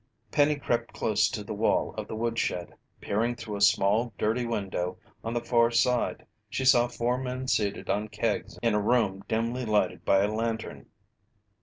Penny crept close to the wall of the woodshed. Peering through a small, dirty window on the far side she saw four men seated on kegs in a room dimly lighted by a lantern.